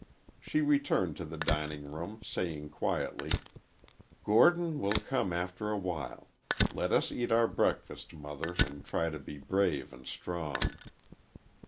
She returned to the dining room, saying, quietly, "Gordon will come after a while. Let us eat our breakfast, mother, and try to be brave and strong."